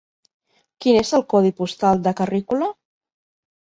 Quin és el codi postal de Carrícola?